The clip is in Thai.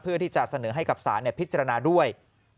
เพื่อที่จะเสนอให้กับศาลพิจารณาด้วย